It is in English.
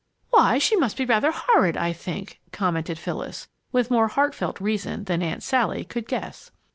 "Why, she must be rather horrid, I think," commented Phyllis, with more heartfelt reason than Aunt Sally could guess!